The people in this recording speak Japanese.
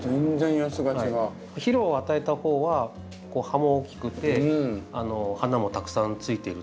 肥料を与えた方は葉も大きくて花もたくさんついている。